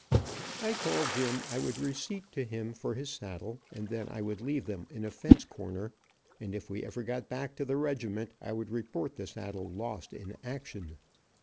I told Jim I would receipt to him for his saddle, and then I would leave them in a fence corner, and if we ever got back to the regiment I would report the saddle lost in action.